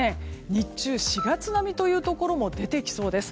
日中４月並みというところも出てきそうです。